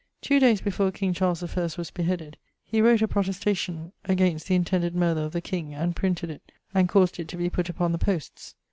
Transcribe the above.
Two dayes before king Charles 1st was beheaded, he wrote a 'protestation against the intended murther of the king,' and printed it, and caused it to be putt upon the posts.